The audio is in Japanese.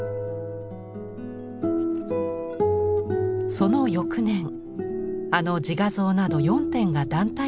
その翌年あの「自画像」など４点が団体展に入選します。